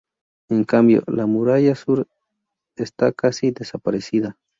En cambio la muralla sur está casi desaparecida.